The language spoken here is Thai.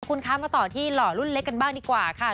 คุณคะมาต่อที่หล่อรุ่นเล็กกันบ้างดีกว่าค่ะ